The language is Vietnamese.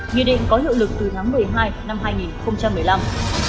nghị định có hiệu lực từ tháng một mươi hai năm hai nghìn một mươi năm